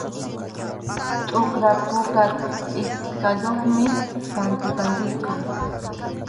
Tʼuqra puka tʼikayuqmi pantipantiqa.